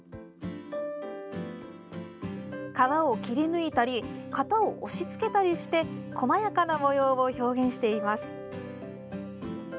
革を切り抜いたり型を押しつけたりしてこまやかな模様を表現しています。